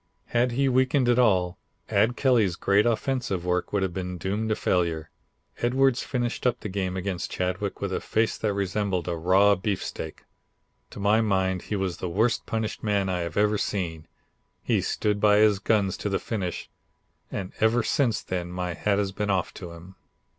Had he weakened at all, Ad Kelly's great offensive work would have been doomed to failure. Edwards finished up the game against Chadwick with a face that resembled a raw beefsteak. To my mind he was the worst punished man I have ever seen. He stood by his guns to the finish, and ever since then my hat has been off to him."